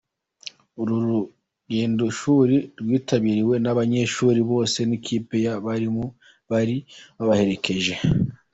Uru rugendoshuri rwitabiriwe n’abanyeshuri bose n’ikipe y’abarimu bari babaherekeje.